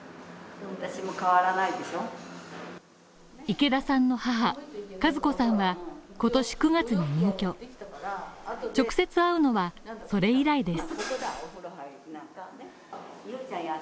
池田さんの母・和子さんは今年９月に入居直接会うのは、それ以来です。